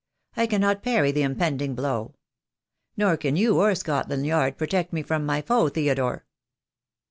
I can not parry the impending blow. Nor can you or Scotland Yard protect me from my foe, Theodore."